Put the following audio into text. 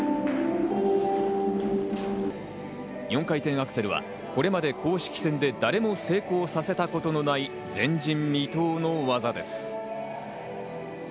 ４回転アクセルはこれまで公式戦で誰も成功させたことのない前人未到の大技です。